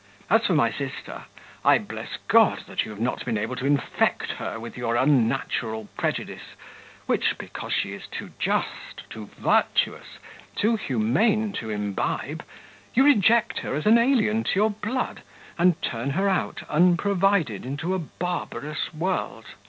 As for my sister, I bless God that you have not been able to infect her with your unnatural prejudice, which, because she is too just, too virtuous, too humane to imbibe, you reject her as an alien to your blood, and turn her out unprovided into a barbarous world.